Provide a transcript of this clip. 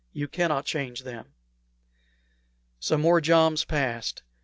You cannot change them." Some more joms passed.